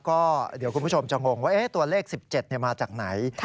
ก็เดี๋ยวคุณผู้ชมจะงงว่าตัวเลข๑๗มาจากไหน